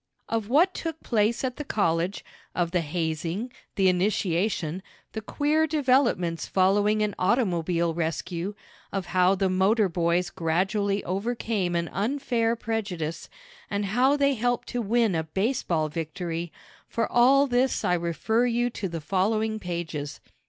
Of what took place at the college, of the hazing, the initiation, the queer developments following an automobile rescue, of how the motor boys gradually overcame an unfair prejudice, and how they helped to win a baseball victory for all this I refer you to the following pages.